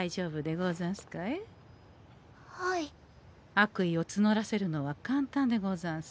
悪意をつのらせるのは簡単でござんす。